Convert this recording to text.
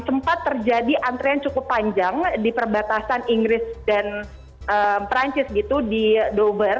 sempat terjadi antrian cukup panjang di perbatasan inggris dan perancis gitu di dover